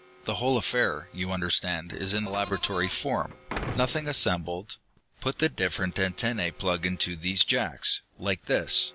"The whole affair, you understand, is in laboratory form. Nothing assembled. Put the different antennae plug into these jacks. Like this."